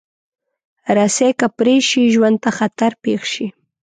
رسۍ که پرې شي، ژوند ته خطر پېښ شي.